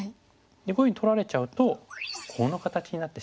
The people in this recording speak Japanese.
こういうふうに取られちゃうとコウの形になってしまう。